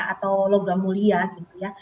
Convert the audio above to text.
atau logam mulia gitu ya